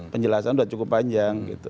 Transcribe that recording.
penjelasan sudah cukup panjang